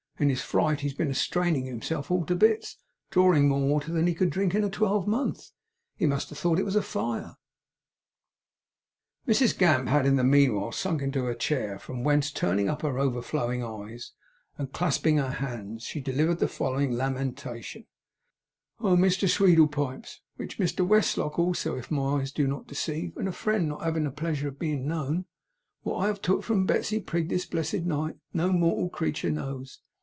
In his fright, he's been a straining himself all to bits, drawing more water than he could drink in a twelvemonth. He must have thought it was Fire!' Mrs Gamp had in the meanwhile sunk into her chair, from whence, turning up her overflowing eyes, and clasping her hands, she delivered the following lamentation: 'Oh, Mr Sweedlepipes, which Mr Westlock also, if my eyes do not deceive, and a friend not havin' the pleasure of bein' beknown, wot I have took from Betsey Prig this blessed night, no mortial creetur knows!